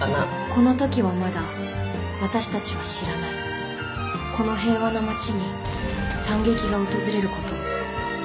「この時はまだ私たちは知らない」「この平和な町に惨劇が訪れる事を」